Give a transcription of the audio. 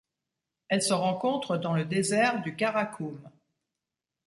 Elle se rencontre dans le désert du Karakoum.